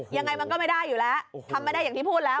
ยังไงมันก็ไม่ได้อยู่แล้วทำไม่ได้อย่างที่พูดแล้ว